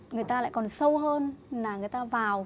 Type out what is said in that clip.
người ta lại còn sâu hơn là người ta vào